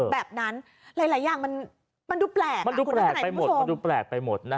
แบบนั้นหลายอย่างมันดูแปลกมันดูแปลกไปหมด